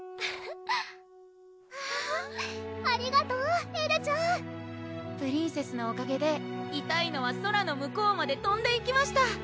ありがとうエルちゃんプリンセスのおかげでいたいのは空の向こうまでとんでいきました